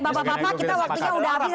bapak bapak kita waktunya sudah habis